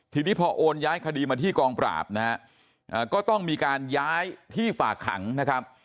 ทีนี้พอโอนย้ายคดีมาที่กองปราบนะฮะก็ต้องมีการย้ายที่ฝากขังนะครับ